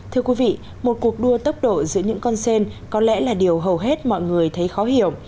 thưa quý vị một cuộc đua tốc độ giữa những con sen có lẽ là điều hầu hết mọi người thấy khó hiểu